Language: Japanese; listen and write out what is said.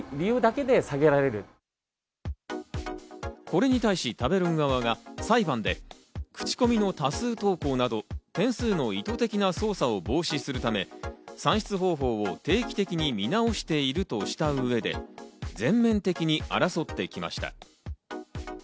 これに対し食べログ側が裁判で、口コミの多数投稿など点数の意図的な操作を防止するため、算出方法を定期的に見直しているとした上で、全面的に争って行きました。